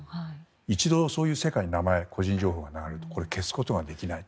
一度、そういう世界に名前や個人情報が載るとこれ、消すことができない。